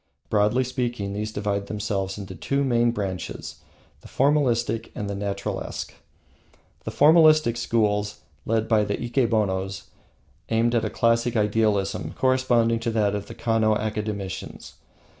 Broadly speaking, these divide themselves into two main branches, the Formalistic and the Naturalesque. The Formalistic schools, led by the Ikenobos, aimed at a classic idealism corresponding to that of the Kano academicians.